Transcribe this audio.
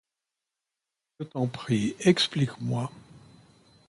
Je t'en prie, explique-moi.